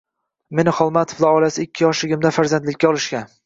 Meni Xolmatovlar oilasi ikki yoshligimda farzandlikka olishgan.